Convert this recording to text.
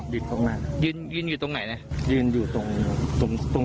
ยืนอยู่ตรงไหน